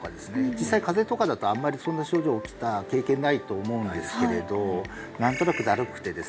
実際風邪とかだとあんまりそんな症状起きた経験ないと思うんですけれど何となくだるくてですね